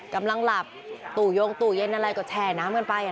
กำลังหลับตู่ยงตู้เย็นอะไรก็แช่น้ำกันไป